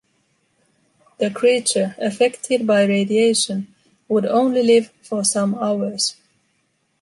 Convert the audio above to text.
The creature, affected by radiation, would only live for some hours.